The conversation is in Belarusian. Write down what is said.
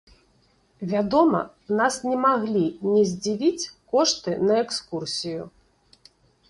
Вядома, нас не маглі не здзівіць кошты на экскурсію.